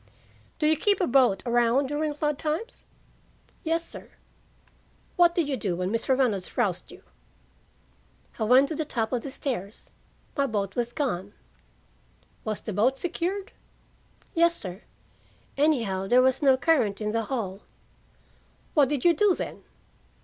"Do you keep a boat around during flood times?" "Yes, sir." "What did you do when Mr. Reynolds roused you?" "I went to the top of the stairs. My boat was gone." "Was the boat secured?" "Yes, sir. Anyhow, there was no current in the hall." "What did you do then?"